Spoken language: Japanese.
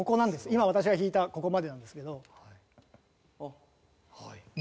今私が弾いたここまでなんですけど。